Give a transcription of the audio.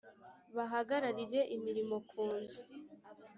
bahagararire imirimo ku nzu